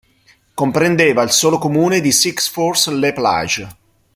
Comprendeva il solo comune di Six-Fours-les-Plages.